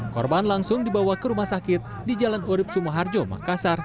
korban langsung dibawa ke rumah sakit di jalan urib sumoharjo makassar